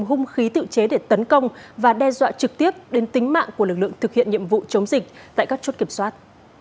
hung khí tự chế để tấn công và đe dọa trực tiếp đến tính mạng của lực lượng thực hiện nhiệm vụ chống dịch tại các chốt kiểm soát